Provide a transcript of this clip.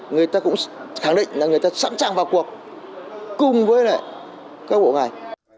người ta cũng khẳng định sẵn sàng vào cuộc cùng với các bộ ngài